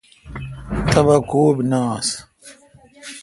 تبہ کوب نہ آس۔